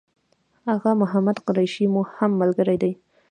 آغا محمد قریشي مو هم ملګری دی.